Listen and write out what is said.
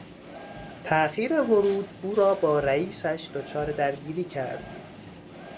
تاخیر ورود، او را با رئیسش دچار درگیری کرد.